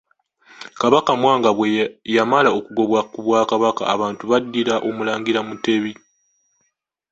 KABAKA Mwanga bwe yamala okugobwa ku Bwakabaka abantu baddira Omulangira Mutebi.